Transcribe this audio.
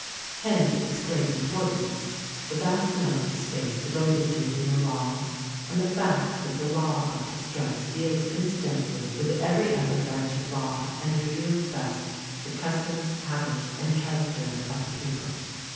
Hence its great importance, the vast amount of space devoted to it in the laws, and the fact that the law of distress deals incidentally with every other branch of law and reveals best the customs, habits, and character of the people.